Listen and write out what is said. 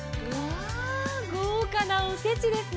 豪華なおせちですね。